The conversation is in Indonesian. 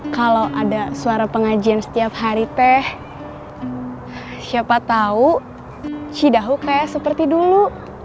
kalau ada suara pengajian setiap hari teh siapa tahu cidahu kayak seperti dulu